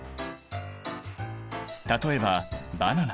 例えばバナナ。